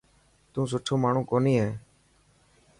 تون سٺو ماڻهو ڪوني هي.